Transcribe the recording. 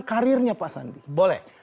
karirnya pak sandi boleh